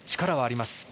力はあります。